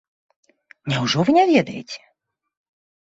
Няўжо вы не ведаеце?